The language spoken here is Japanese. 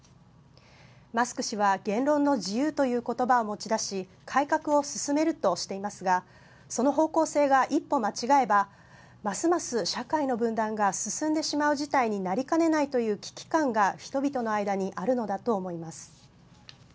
マスク氏は言論の自由ということばを持ち出し改革を進めるとしていますがその方向性が、一歩間違えばますます社会の分断が進んでしまう事態になりかねないという危機感が人々の間にあるのだと思います。